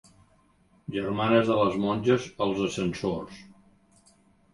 Germanes de les monges als ascensors.